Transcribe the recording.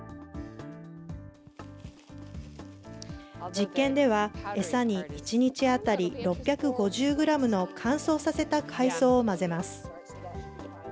実験では、餌に１日当たり６５０グラムの乾燥させた海藻を混ぜます。